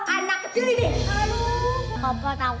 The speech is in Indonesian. anak kecil ini